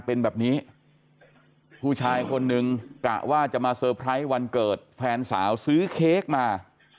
เป็นแบบนี้ผู้ชายคนนึงกะว่าจะมาเซอร์ไพรส์วันเกิดแฟนสาวซื้อเค้กมา